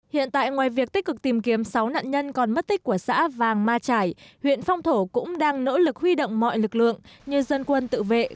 hiện tại ngoài việc tích cực tìm kiếm sáu nạn nhân còn mất tích của xã vàng ma trải huyện phong thổ cũng đang nỗ lực huy động mọi lực lượng như dân quân tự vệ